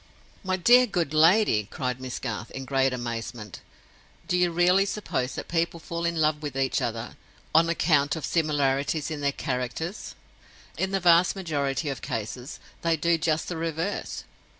"My dear good lady!" cried Miss Garth, in great amazement; "do you really suppose that people fall in love with each other on account of similarities in their characters? In the vast majority of cases, they do just the reverse.